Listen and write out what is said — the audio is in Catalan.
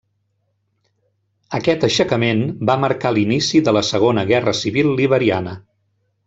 Aquest aixecament va marcar l'inici de la Segona Guerra Civil Liberiana.